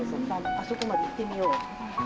あそこまで行ってみよう。